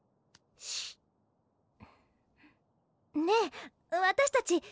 ねえ私たち